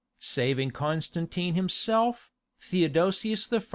Saving Constantine himself, Theodosius I.